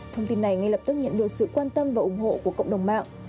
thông tin này ngay lập tức nhận được sự quan tâm và ủng hộ của cộng đồng mạng